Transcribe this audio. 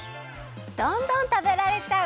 どんどんたべられちゃう！